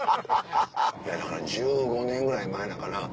いやだから１５年ぐらい前なんかな。